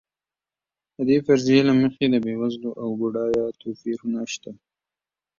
د دې فرضیې له مخې د بېوزلو او بډایو توپیرونه شته.